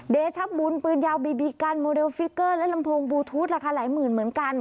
เดชบุญปืนยาวบีบีกันโมเดลฟิกเกอร์และลำโพงบลูทูธราคาหลายหมื่นเหมือนกัน